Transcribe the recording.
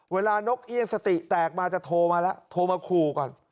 นกเอี่ยงสติแตกมาจะโทรมาแล้วโทรมาขู่ก่อน